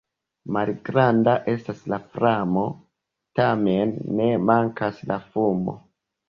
Malgranda estas la flamo, tamen ne mankas la fumo.